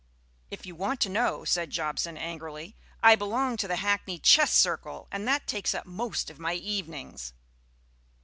"If you want to know," said Jobson angrily, "I belong to the Hackney Chess Circle, and that takes up most of my evenings."